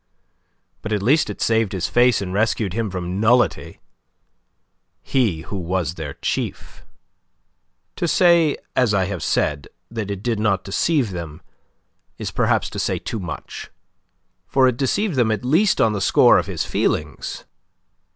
But at least it saved his face and rescued him from nullity he who was their chief. To say, as I have said, that it did not deceive them, is perhaps to say too much, for it deceived them at least on the score of his feelings.